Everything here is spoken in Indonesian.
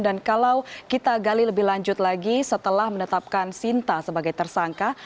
dan kalau kita gali lebih lanjut lagi setelah menetapkan sinta sebagai tersangka